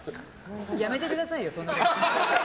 やめてくださいよ、そんなこと。